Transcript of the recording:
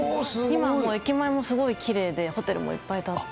今もう駅前もすごいきれいで、ホテルもいっぱい建って。